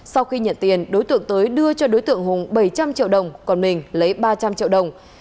sau khi nhận tiền đối tượng tới đưa cho đối tượng hùng bảy trăm linh triệu đồng còn mình lấy ba trăm linh triệu đồng